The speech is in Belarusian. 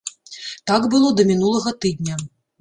Так было да мінулага тыдня.